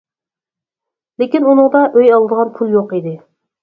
لېكىن ئۇنىڭدا ئۆي ئالىدىغان پۇل يوق ئىدى.